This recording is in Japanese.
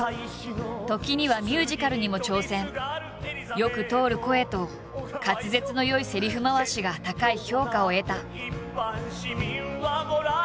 よく通る声と滑舌の良いせりふ回しが高い評価を得た。